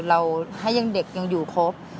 เราให้ยังเด็กยังอยู่ครบ